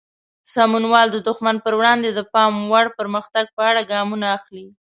سمونوال د دښمن پر وړاندې د پام وړ پرمختګ په اړه ګامونه اخلي.